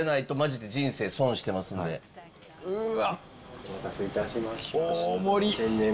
お待たせいたしました。